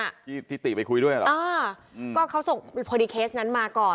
อ่าอื้อเขาส่งพอดีเคสนั้นมาก่อน